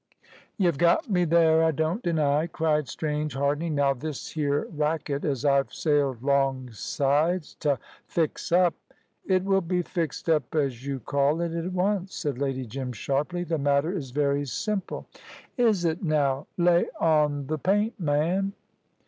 "Y've got me there, I don't deny," cried Strange, hardening. "Now this here racket, as I've sailed long sides t' fix up " "It will be fixed up, as you call it, at once," said Lady Jim, sharply. "The matter is very simple." "Is it now? Lay on th' paint, ma'am."